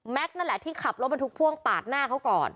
แม็กซ์นั่นแหละที่ขับรถบางทุกพล่องปากหน้าเขาก่อน